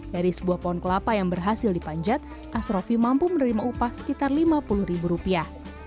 dari sebuah pohon kelapa yang berhasil dipanjat asrofi mampu menerima upah sekitar lima puluh ribu rupiah